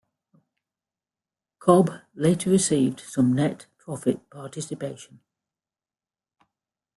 Cobb later received some net profit participation.